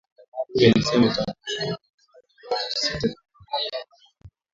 Bunge lilisema katika taarifa yake kwamba ni malori sita tu kati ya kumi ya zimamoto